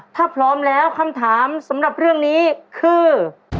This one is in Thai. ถ้าพร้อมแล้วคำถามสำหรับเรื่องนี้คือ